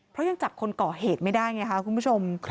เพราะยังจับคนก่อเหตุไม่ได้ไงค่ะคุณผู้ชม